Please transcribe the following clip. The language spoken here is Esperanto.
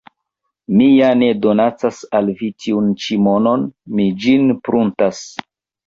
Mi ja ne donacas al vi tiun ĉi monon, mi ĝin pruntas.